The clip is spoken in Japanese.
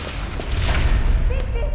・ピッピ！